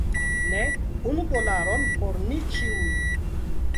Ne, unu dolaron por ni ĉiuj.